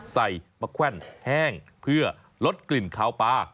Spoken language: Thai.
มาแคว่นแห้งเพื่อลดกลิ่นขาวปลา